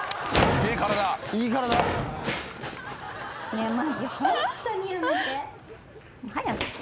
ねえマジホントにやめて。